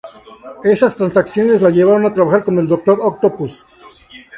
Esas transacciones la llevaron a trabajar con el Dr. Octopus.